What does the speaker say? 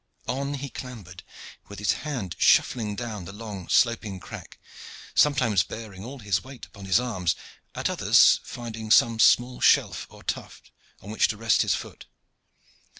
On he clambered, with his hand shuffling down the long sloping crack, sometimes bearing all his weight upon his arms, at others finding some small shelf or tuft on which to rest his foot.